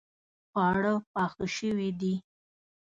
خواړه پاخه شوې دي